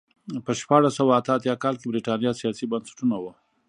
په شپاړس سوه اته اتیا کال کې برېټانیا سیاسي بنسټونه وو.